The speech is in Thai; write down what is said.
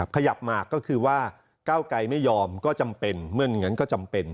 ขยับมาก็คือว่าก้าวไกรไม่ยอมก็จำเป็นเมื่ออย่างนั้นก็จำเป็น